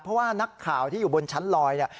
เพราะว่านักข่าวที่อยู่บนชั้นลอยเนี่ย